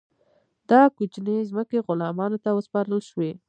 دا کوچنۍ ځمکې غلامانو ته وسپارل شوې.